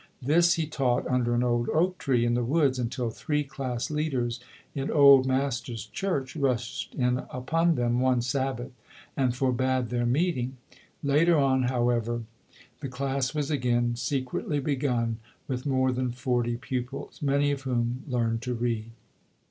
This he taught under an old oak tree in the woods until three class 26 ] UNSUNG HEROES leaders in old master's church rushed in upon them one Sabbath and forbade their meeting. Later on, however, the class was again secretly begun with more than forty pupils, many of whom learned to read.